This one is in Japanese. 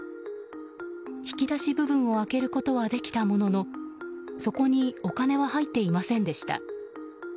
引き出し部分を開けることはできたもののそこにお金は入っていませんでした。